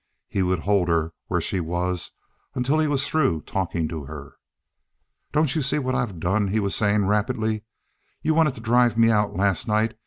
He would hold her where she was until he was through talking to her. "Don't you see what I've done?" he was saying rapidly. "You wanted to drive me out last night.